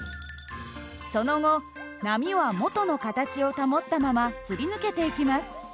その後波は元の形を保ったまますり抜けていきます。